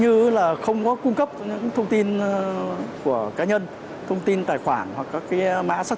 như là không có cung cấp những thông tin của cá nhân thông tin tài khoản hoặc các cái mã xác